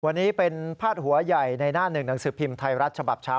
วันนี้เป็นพาดหัวใหญ่ในหน้าหนึ่งหนังสือพิมพ์ไทยรัฐฉบับเช้า